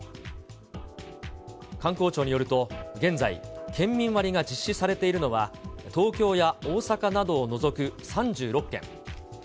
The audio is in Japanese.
観光庁によると現在、県民割が実施されているのは、東京や大阪などを除く３６県。